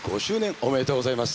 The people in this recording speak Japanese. おめでとうございます。